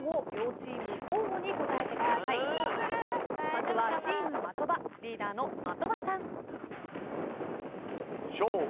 まずはチーム的場リーダーの的場さん。